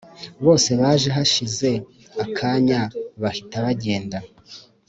Bose baje hashize akanya bahita bagenda